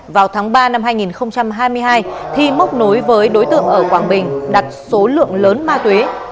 vào tháng ba năm hai nghìn hai mươi hai thi móc nối với đối tượng ở quảng bình đặt số lượng lớn ma túy